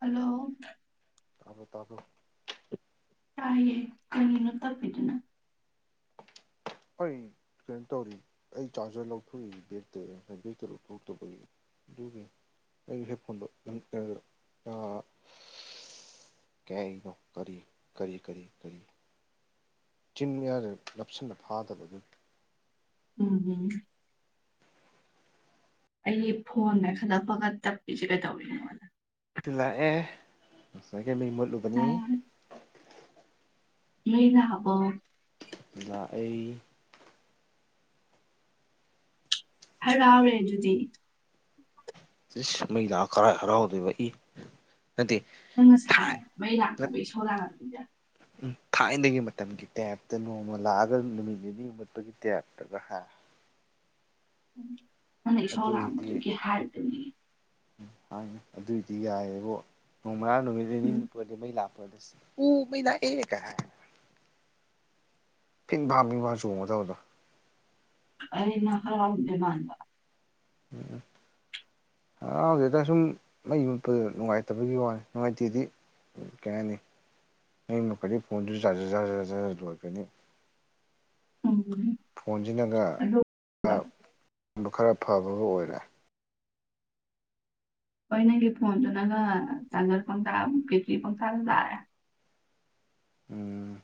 hello ꯑꯕꯨ ꯇꯕꯨ ꯇꯥꯏꯦ ꯀꯩꯅꯅꯣ ꯇꯞꯗꯨꯅ ꯑꯩꯩ ꯀꯩꯅꯣ ꯇꯧꯔꯤ ꯑꯩ ꯆꯥꯔꯖꯔ ꯂꯧꯊꯣꯛꯏ ꯕꯦꯒꯛꯇ ꯕꯦꯛꯇ ꯂꯧꯊꯣꯛꯇꯕꯒꯤ ꯍ ꯐ ꯑ ꯀ ꯅꯣꯔꯤꯔꯤ ꯆꯤꯟ ꯃꯌꯥꯗ ꯅꯞꯁꯤꯟꯅ ꯐꯥꯗꯕꯗꯨ ꯎꯝꯝ ꯑꯩꯒꯤ ꯐꯣꯟꯒ ꯈꯜꯗꯛꯄꯒ ꯇꯞꯄꯤꯁꯦ ꯀꯩꯗꯧꯔꯤꯅꯣꯅ ꯁꯤ ꯂꯥꯛꯑꯦ ꯉꯁꯥꯏꯒꯤ ꯃꯤ ꯃꯨꯠꯂꯨꯕꯅꯤ ꯂꯩꯏꯅ ꯍꯕꯣ ꯂꯥꯛ ꯑꯩ ꯍꯔꯥꯎꯔꯦ ꯑꯗꯨꯗꯤ ꯆ ꯃꯩꯗꯥꯛ ꯀꯔꯥꯏ ꯍꯔꯥꯎꯗꯣꯏꯕ ꯏ ꯍꯥꯏꯗꯤ ꯅꯪ ꯉꯁꯥꯏ ꯃꯩ ꯂꯥꯛꯇꯕ ꯏꯁꯣꯔ ꯂꯥꯛꯑꯅꯤꯗ ꯎ ꯊꯥꯏꯅꯒꯤ ꯃꯇꯝꯒꯤ ꯇꯥꯏꯌꯦꯞꯇ ꯅꯣꯡꯃ ꯂꯥꯛꯑꯒ ꯅꯨꯃꯤꯠ ꯅꯤꯅꯤ ꯃꯨꯠꯄꯒꯤ ꯇꯥꯏꯌꯦꯞꯇꯒ ꯍꯥꯏ ꯎꯝ ꯅꯪꯅ ꯏꯁꯥꯎ ꯑꯗꯨ ꯂꯥꯛꯕꯗꯨꯒꯤ ꯍꯥꯏꯔꯗꯨꯅꯤ ꯎꯝ ꯍꯥꯏꯅꯦ ꯑꯗꯨꯏꯗꯤ ꯌꯥꯏꯌꯦꯦꯕꯣ ꯅꯣꯡꯃꯔꯥ ꯅꯨꯃꯤꯠ ꯎꯝ ꯅꯤꯅꯤꯠꯄꯗꯤ ꯃꯩ ꯂꯥꯛꯄꯗꯁ ꯎ ꯃꯩꯅ ꯑꯦ ꯀ ꯐꯤꯟ ꯐꯥꯝꯃꯤ ꯆꯣꯡꯉ ꯇꯧꯕꯗ ꯑꯔꯅꯥ ꯈꯔꯥꯎꯗꯦ ꯃꯥꯥꯟ ꯎꯝ ꯍꯔꯥꯎꯁꯤꯗ ꯁꯨꯝ ꯃꯩ ꯃꯨꯠꯄꯗ ꯅꯨꯡꯉꯥꯏꯇꯕꯒꯤ ꯋꯥꯅꯤ ꯅꯨꯡꯉꯥꯏꯇꯦꯗꯤ ꯀꯩ ꯍꯥꯏꯅꯤ ꯅꯪ ꯃꯈꯗꯤ ꯐꯣꯟꯗꯨ ꯂꯣꯏꯀꯅꯤ ꯎꯝ ꯑꯗꯣ ꯐꯣꯟꯁꯤꯅꯒꯕ ꯈꯔ ꯐꯕꯕꯨ ꯑꯣꯏꯔꯦ ꯍꯣꯏ ꯅꯪꯒꯤ ꯐꯣꯟꯗꯨ ꯅꯒ ꯆꯥꯒ ꯄꯪꯊꯥ ꯕꯦꯇ꯭ꯔꯤ ꯄꯪꯊꯥꯗ ꯂꯥꯛꯑꯦ ꯎꯝ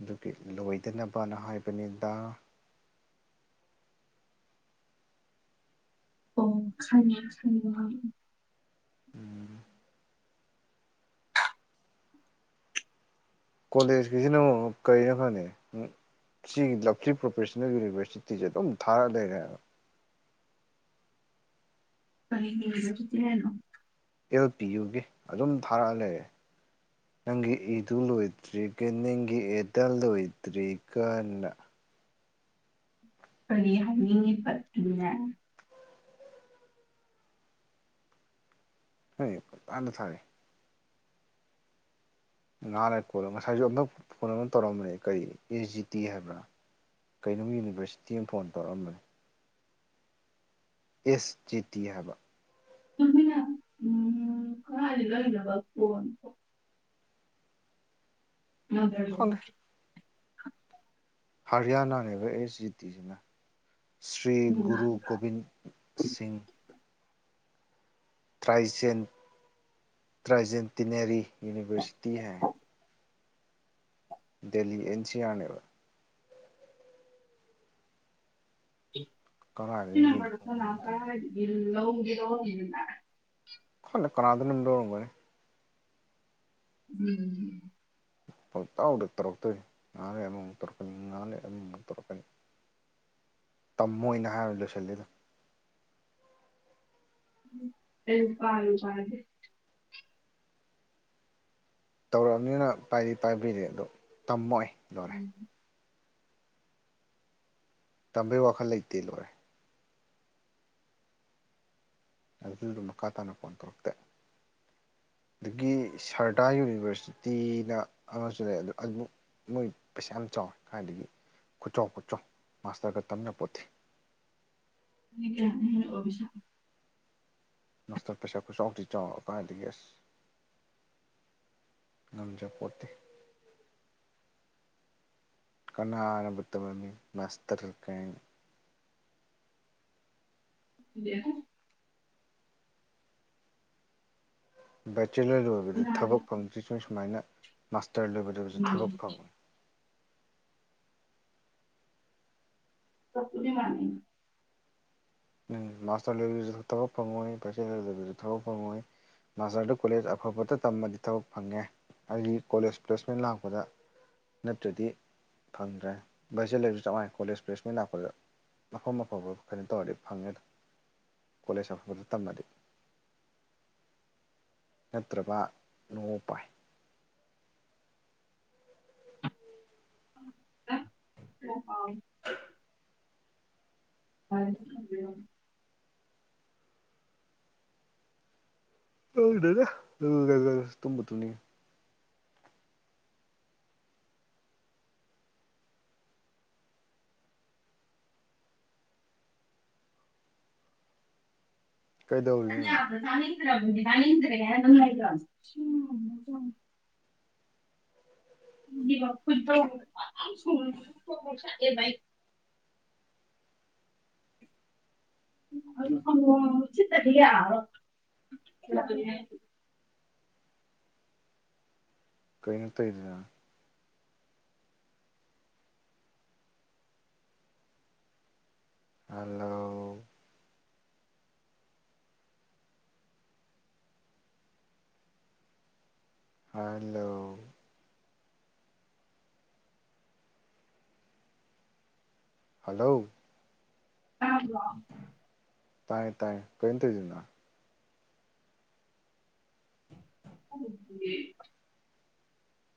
ꯑꯗꯨꯒꯤ ꯂꯣꯏꯗꯅꯕꯅ ꯍꯥꯏꯕꯅꯤꯗ ꯑꯣ UNINTELLIGIBLE ꯎꯝ ꯀꯣꯂꯦꯖꯀꯤꯁꯤꯅ ꯑꯃꯨꯛ ꯀꯔꯤꯅꯣ ꯈꯪꯉꯦ ꯁꯤꯒꯤ ꯂꯝꯞꯁꯤ ꯄ꯭ꯔꯣꯐꯦꯁꯅꯦꯜ ꯌꯨꯅꯤꯚꯔꯁꯤꯇꯤ ꯁꯦ ꯑꯗꯨꯝ ꯊꯥꯔ ꯂꯩꯔꯦ ꯀꯔꯤ ꯌꯨꯅꯤꯚꯔꯁꯤꯇꯤ ꯍꯥꯏꯅꯣ ꯑꯦꯜ ꯄꯤ ꯌꯨꯒꯤ ꯑꯗꯨꯝ ꯊꯥꯔꯛꯑ ꯂꯩꯔꯦ ꯅꯪꯒꯤ ꯏꯗꯨ ꯂꯣꯏꯗ꯭ꯔꯤꯒ ꯅꯪꯒꯤ ꯑꯦꯗꯜ ꯂꯣꯏꯗ꯭ꯔꯤ ꯀ ꯅ ꯀꯔꯤ ꯍꯥꯏꯅꯤꯡꯉꯤꯕ ꯑꯗꯨꯅ ꯍꯦ ꯄꯨꯡꯊꯥꯗ ꯊꯥꯔꯛꯏ ꯉꯥꯜꯔꯀꯣꯂꯣ ꯉꯁꯥꯏꯁꯨ ꯑꯝꯇꯛ ꯐꯣꯟ ꯑꯃ ꯇꯧꯔꯝꯕꯅꯦ ꯀꯔꯤ ꯑꯦꯁ ꯖꯤ ꯇꯤ ꯍꯥꯏꯕ꯭ꯔꯥ ꯀꯩꯅꯅꯨꯡ ꯌꯨꯅꯤꯚꯔꯁꯤꯇꯤ ꯑꯃ ꯐꯣꯟ ꯇꯧꯔꯛꯑꯝꯕꯅꯤ ꯑꯦꯁ ꯆꯦꯇꯤ ꯍꯥꯏꯕ ꯑ ꯏ ꯂ ꯏꯗꯕ ꯀ ꯃꯗꯣ ꯈꯪꯗꯦ ꯍꯔꯤꯌꯥꯅꯥꯅꯦꯕ ꯑꯦꯁ ꯖꯤ ꯇꯤꯁꯤꯅ ꯁ꯭ꯔꯤ ꯒꯨꯔꯨ ꯒꯣꯕꯤꯟ ꯁꯤꯡ ꯇ꯭ꯔꯥꯏꯖꯦꯟ ꯇ꯭ꯔꯥꯏꯖꯦꯟꯇꯤꯅꯔꯤ ꯌꯨꯅꯤꯕꯔꯁꯤꯇꯤ ꯍꯥꯏ ꯗꯦꯜꯂꯤ ꯑꯦꯟ ꯁꯤ ꯑꯥꯔꯅꯦꯕ ꯀꯅꯥꯗ ꯅ ꯌꯦꯟ ꯈꯣꯡꯕ ꯅꯅꯥ ꯇ꯭ꯔ ꯃꯇꯝꯗ ꯏꯂ ꯎꯒꯤꯗꯣ ꯏꯅ ꯈꯪꯗꯦ ꯀꯅꯥꯗꯅꯝ ꯂꯧꯔꯝꯒꯅꯤ ꯎꯝ ꯄꯥꯎꯇꯥꯎꯗ ꯇꯧꯔꯛꯇꯣꯏ ꯉꯥꯜꯂꯦ ꯑꯃꯃꯨꯛ ꯇꯧꯔꯛꯀꯅꯤ ꯉꯥꯜꯂꯦ ꯑꯃꯃꯨꯛ ꯇꯧꯔꯛꯀꯅꯤ ꯇꯝꯃꯣꯏꯅ ꯍꯥꯏꯔ ꯂꯣꯏꯁꯤꯜꯂꯤꯗꯨꯝ UNINTELLIGIBLE ꯇꯧꯔꯛꯑꯕꯅꯤꯅ ꯄꯥꯏꯗꯤ ꯄꯥꯏꯕꯤꯔꯤ ꯑꯗꯨꯣ ꯇꯝꯃꯣꯏ ꯂꯣꯏꯔꯦ ꯇꯥꯝꯕꯩ ꯋꯥꯈꯜ ꯂꯩꯇꯦ ꯂꯣꯏꯔꯦ ꯑꯗꯨꯗꯨ ꯃꯈꯥ ꯇꯥꯅ ꯐꯣꯟ ꯇꯧꯔꯛꯇꯦ ꯑꯗꯨꯒꯤ ꯁꯔꯗꯥ ꯌꯨꯅꯤꯚꯔꯁꯤꯇꯤꯅ ꯑꯃꯁꯨ ꯂꯩ ꯑꯗꯨ ꯑꯗꯨ ꯃꯣꯏ ꯄꯩꯁꯥ ꯌꯥꯝ ꯆꯥꯎꯋꯤ ꯀꯥꯏꯗꯒꯤ ꯈꯨꯠꯆꯥꯎ ꯈꯨꯠꯆꯥꯎ ꯃꯥꯁꯇꯔꯒ ꯇꯥꯝ ꯌꯥꯄꯣꯟꯇꯦ UNINTELLIGIBLE ꯃꯥꯁꯇꯔ ꯄꯩꯁꯥ ꯈꯨ ꯆꯥꯎꯗꯤ ꯆꯥꯎꯑ ꯀꯥꯏꯗꯒꯤ ꯑꯁ ꯉꯝꯖ ꯄꯣꯠꯇꯦ ꯀꯅꯥꯅꯕꯨ ꯇꯥꯝꯂꯝꯃꯤꯅꫭ ꯃꯁꯇꯔ ꯀꯥꯏꯅ UNINTELLIGIBLE ꯕꯦꯆꯦꯂꯔ ꯂꯣꯏꯕꯗ ꯊꯕꯛ ꯐꯪꯗ꯭ꯔꯤ ꯁ ꯁꯨꯃꯥꯏꯅ ꯃꯥꯁꯇꯔ ꯂꯣꯏꯕꯗꯁꯨ ꯊꯕꯛ ꯐꯪꯑꫭꯏ ꯆꯥꯞꯄꯨꯗꯤ ꯃꯥꯟꯅꯩꯅꯦ ꯅꯪ ꯃꯥꯁꯇꯔ ꯂꫭꯏꯕꯗꯁꯨ ꯊꯕꯛ ꯐꯪꯉꯣꯏ ꯄꯥꯏꯆꯦ ꯂꯩꯗꯕꯁꯨ ꯊꯕꯛ ꯐꯪꯉꯣꯏ ꯃꯥꯁꯇꯔꯗꯨ ꯀꯣꯂꯦꯖ ꯑꯐꯕꯗ ꯇꯥꯝꯃꯗꯤ ꯊꯕꯛ ꯐꯪꯉꯦ ꯑꯩꯒꯤ ꯀꯣꯂꯦꯖ ꯄ꯭ꯂꯦꯁꯃꯦꯟ ꯂꯥꯛꯄꯗ ꯅꯠꯇ꯭ꯔꯗꯤ ꯐꯪꯗ꯭ꯔꯦ ꯕꯦꯆꯦꯂꯔ ꯆꯞꯉꯥꯏ ꯀꯣꯂꯦꯖ ꯄ꯭ꯂꯦꯁꯃꯦꯟ ꯂꯥꯛꯄꯗ ꯃꯐꯝ ꯑꯐꯕ ꯀꯩꯅꯣ ꯇꯧꯔꯗꯤ ꯐꯉꯦ ꯑꯗꯨꯝ ꯀꯣꯂꯦꯖ ꯑꯐꯕꯗ ꯇꯝꯑꯥꯗꯤ ꯅꯠꯇ꯭ꯔꯕ ꯅꯣꯡ ꯎꯄꯥꯏ [inaudible] UNINTELLIGIBLE ꯈꯪꯗꯦꯗꯥ UNINTELLIGIBLE ꯇꯨꯝꯕꯨ ꯇꯨꯝꯅꯤꯡ ꯏ ꯀꯩꯗꯧꯔꯤꯅꯣ UNINTELLIGIBLE UNINTELLIGIBLE UNINTELLIGIBLE ꯀꯔꯤꯅꫭ ꯇꯧꯔꯤꯗꯨꯅ ꯍꯜꯂꯣ ꯍꯜꯂꯣ ꯍꯜꯂꯣ ꯇꯥꯕꯔꯣ ꯇꯥꯏ ꯇꯥꯏ ꯀꯩꯅꯣ ꯇꯧꯔꯤꯗꯨꯅ ꯎꯝ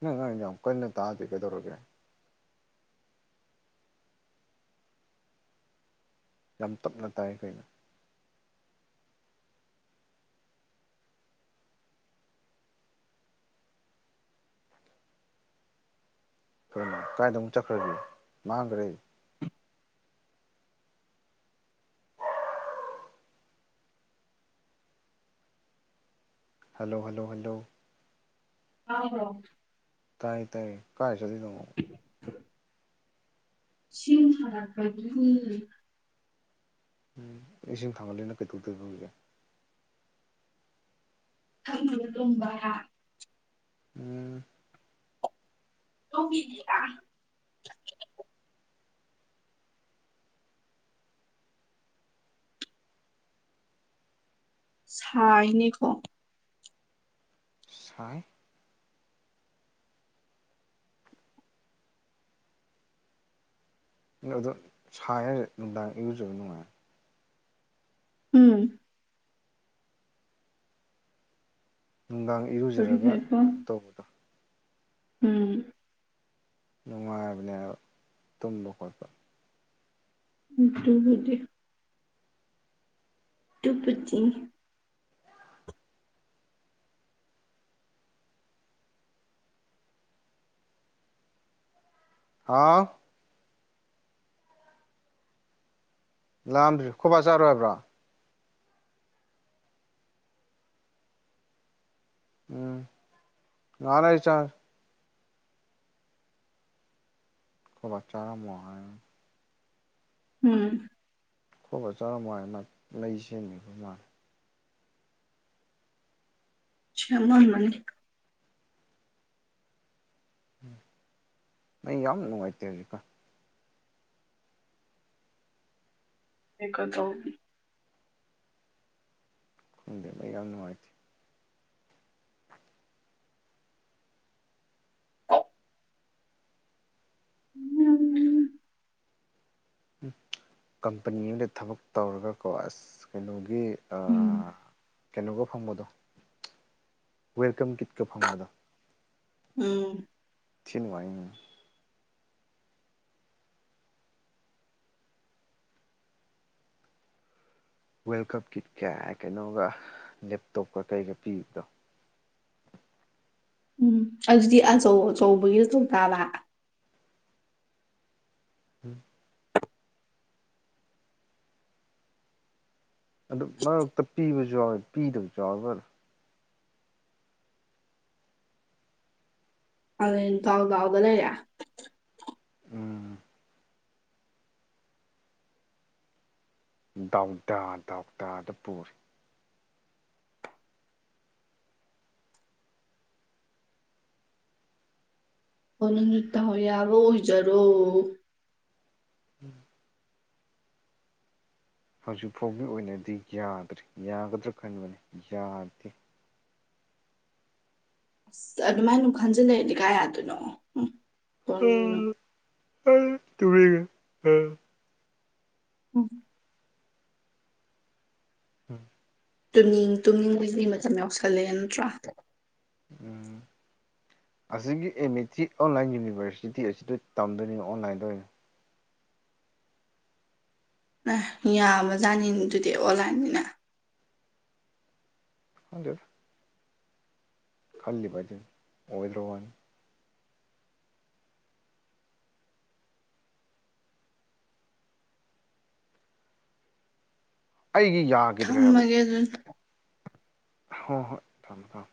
ꯅꯪ ꯉꯥꯡꯢꯗꯣ ꯌꯥꯝ ꯀꯟꯅ ꯇꯥꯗꯦ ꯀꯩꯗꯧꯔꯒꯦ ꯌꯥꯝ ꯇꯞꯅ ꯇꯥꯏ ꯀꯩꯅꯣ ꯀꯗꯥꯥꯏꯗ ꯑꯃꯨꯛ ꯆꯠꯈ꯭ꯔꯒꯦ ꯃꯥꯡꯈ꯭ꯔꯦ ꯍꯜꯂꯣ ꯍꯜꯂꯣ ꯍꯜꯂꯣ UNINTELLIGIBLE ꯇꯥꯏ ꯇꯥꯏꯌꯦ ꯀꯥꯏ ꯆꯠꯂꯤꯅꫭ UNINTELLIGIBLE ꯎꯝ ꯏꯁꯤꯡ ꯊꯥꯡꯒꯠꯂꯤꯅ ꯀꯩꯗꯧꯗꯣꯏꯕ ꯍꯧꯖꯤꯛ ꯊꯥꯛꯅꯕ ꯂꯝꯕ ꯎꯝ UNINTELLIGIBLE ꯁꯥꯏꯅꯦꯀꯣ ꯁꯥꯏ ꯑꯗꯨ ꯁꯥꯏ ꯍꯥꯢꯔ ꯅꯨꯡꯗꯥꯡ ꯢꯔꯨꯖꯕ ꯅꯨꯡꯉꯥꯏꯕꯅꯦ ꯎꯝ ꯅꯨꯡꯗꯥꯡ ꯀꯔꯤ ꯏꯔꯨꯖꯔꯒ ꯍꯥꯏꯕ ꯀꯩꯅꯣ ꯇꯧꯕꯅꯤ ꯎꯝ ꯅꯨꯡꯉꯥꯏꯕꯅꯦ ꯍꯥꯢꯕ ꯇꯨꯝꯕ ꯈꯣꯠꯄ ꯅꯠꯇ꯭ꯔꯒꯗꯤ ꯇꯨꯄꯆꯤ [inaudible] ꯍꯥꯥꯎ ꯂꯥꯝꯗ꯭ꯔꯤ ꯈꯣꯢ ꯕꯥ ꯆꯥꯔꯣꯏ ꯍꯥꯢꯕ꯭ꯔꯣ ꯎꯝ ꯉꯥꯛ ꯂꯩꯔꯒꯥ ꯆꯔꯒꯦ ꯈꯣꯢ ꯕꯥ ꯆꯔꯥꯃꯣ ꯍꯥꯢꯕꯥ ꯎꯝ ꯈꯣꯢ ꯕꯥ ꯆꯥꯔꯝꯃꯣ ꯍꯥꯢꯔꯒꯥ ꯃꯩ ꯁꯦꯝꯃꯤꯕ ꯃꯥꯜꯂꯦ ꯁꯦꯝꯃꯝꯃꯅꯤ ꯃꯩ ꯌꯥꯝꯅ ꯅꯨꯡꯉꯥꯏꯇꯦ ꯍꯧꯖꯤꯛꯀꯥꯟ ꯑꯩꯗꯣ [inaudible] ꯈꯣꯡꯗꯦ ꯃꯩ ꯌꯥꯝ ꯅꯨꯡꯉꯥꯏꯇꯦ ꯎꯝ [inaudible] ꯀꯝꯄꯅꯤ ꯑꯃꯗ ꯊꯕꯛ ꯇꯧꯔꯒꯀꯣ ꯑꯁ ꯀꯩꯅꯣꯒꯤ ꯎꯝ ꯀꯩꯅꯣꯒ ꯐꯪꯕꯗꯣ ꯋꯦꯜꯀꯝ ꯀꯤꯠꯀ ꯐꯪꯕꯗꯣ ꯎꯝ ꯊꯤꯅ ꯅꯨꯡꯉꯥꯢꯅꯤ ꯋꯦꯜꯀꯞ ꯀꯤꯠ ꯀꯥ ꯀꯩꯅꯣꯒ ꯂꯦꯞꯇꯣꯞꯀ ꯀꯩꯒ ꯄꯤꯕꯗꯣ ꯎꯝ ꯑꯗꯨꯗꯤ ꯑꯆꯧ ꯑꯆꯧꯕꯒꯤꯁꯨ ꯆꯣꯡ ꯇꯥꯕ ꯎꯝ ꯑꯗꯨ ꯃꯔꯛꯇ ꯄꯤꯕꯁꯨ ꯌꯥꯎꯋꯦ ꯄꯤꯗꯕꯁꯨ ꯌꯥꯎꯋꯦ ꯀꯪꯂꯦꯟ ꯗꯥꯎ ꯗꯥꯎꯗꯥ ꯂꯩꯔꯦ ꯎꯝ ꯗꯥꯎꯗꯥ ꯗꯥꯎꯗꯥꯗ ꯄꯨꯔꯦ ꯍꯣ ꯅꯪ ꯗꯥꯎ ꯌꯥꯕꯥ ꯑꯣꯏꯖꯔꯣ ꯎꯝ ꯍꯧꯖꯤꯛ ꯐꯥꯎꯒꯤ ꯑꯣꯏꯅꯗꯤ ꯌꯥꯗ꯭ꯔꯤ ꯌꯥꯒꯗ꯭ꯔꯥ ꯈꯟꯕꯅꯤ ꯌꯥꯗꯦ ꯑꯁ ꯑꯗꯨꯃꯥꯏꯅ ꯑꯗꯨꯝ ꯈꯟꯖꯤꯜ ꯂꯩꯔꯗꯤ ꯀꯥꯏꯌꯥꯗꯨꯢꯅꯣ ꯀꯔꯤꯅꯣ ꯇꯨꯝꯅꯤꯉꯦ ꯎꯝ ꯎꯝ ꯎꯝ ꯇꯨꯝꯅꯤꯡ ꯇꯨꯝꯅꯤꯡꯕꯨꯗꯤ ꯃꯇꯝ ꯌꯥꯎꯁꯜꯂꯦ ꯅꯠꯇ꯭ꯔꯥ ꯎꯝ [unintelligible] ꯑꯁꯤꯒꯤ M A three online university ꯑꯁꯤꯗ ꯇꯝꯗꯣꯏꯅꯤꯅꯣ ꯑꯣꯟꯂꯥꯏꯟꯗ ꯑꯣꯏꯅ ꯑ ꯌꯥꯝꯕꯖꯥꯠꯅꯤꯗꯨꯗꯤ ꯑꯣꯟꯂꯥꯏꯟꯅꯤꯅ ꯍ [unintelligible] ꯈꯜꯂꯤꯕ ꯍꯥꯢꯗꯨꯅꯤ ꯑꯣꯢꯗ꯭ꯔꯥ ꯋꯥꯅꯤ ꯑꯩꯒꯤ ꯌꯥꯒ ꯊꯝꯃꯒꯦ ꯑꯗꯨꯗꯤ ꯍꯣꯏ ꯍꯣꯏ ꯊꯝꯃꯣ ꯊꯝꯃꯣ